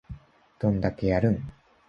どんだけやるん